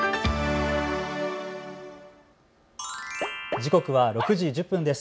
時刻は６時１０分です。